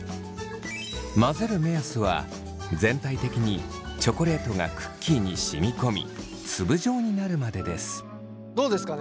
混ぜる目安は全体的にチョコレートがクッキーに染み込みどうですかね。